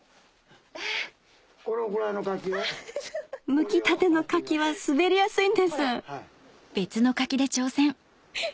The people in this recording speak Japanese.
むきたての柿は滑りやすいんです